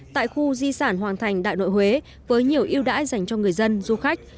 tại khu di sản hoàng thành đại nội huế với nhiều yêu đãi dành cho người dân du khách